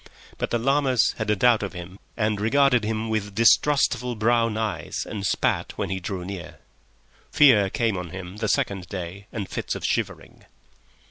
But the llamas had a doubt of him and regarded him with distrustful brown eyes and spat when he drew near. Fear came on him the second day and fits of shivering.